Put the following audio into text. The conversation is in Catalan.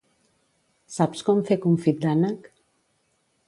Saps com fer confit d'ànec?